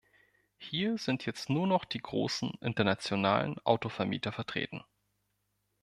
Hier sind jetzt nur noch die großen internationalen Autovermieter vertreten.